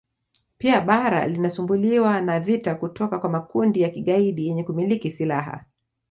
Pia bara la linasumbuliwa na vita kutoka kwa makundi ya kigaidi yenye kumiliki silaha